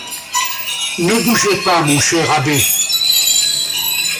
Ne bougez pas, mon cher abbé.